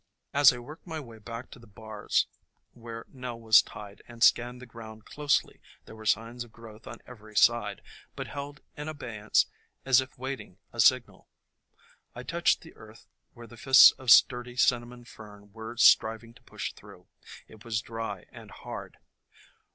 As I worked my way back to the bars where Nell was tied and scanned the ground closely, there were signs of growth on every side, but held in abeyance as if waiting a signal. I touched the earth where the fists of sturdy Cinnamon Fern were striving to push through ; it was dry and hard.